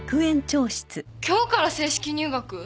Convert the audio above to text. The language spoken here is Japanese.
今日から正式入学？